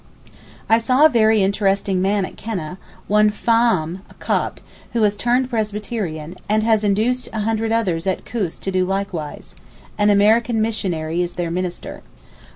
I saw a very interesting man at Keneh, one Faam, a Copt, who has turned Presbyterian, and has induced a hundred others at Koos to do likewise: an American missionary is their minister.